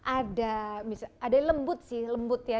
ada ada lembut sih lembut ya